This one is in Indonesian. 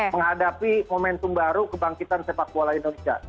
menghadapi momentum baru kebangkitan sepak bola indonesia